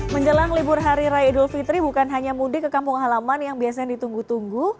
menjelang libur hari raya idul fitri bukan hanya mudik ke kampung halaman yang biasanya ditunggu tunggu